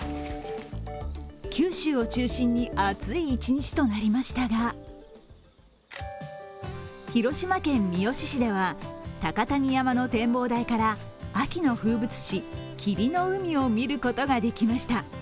九州を中心に暑い一日となりましたが広島県三次市では高谷山の展望台から秋の風物詩・霧の海を見ることができました。